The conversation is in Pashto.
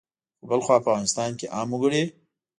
خو بلخوا په افغانستان کې عام وګړي